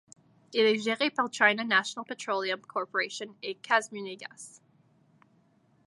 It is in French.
Il est géré par China National Petroleum Corporation et KazMunayGas.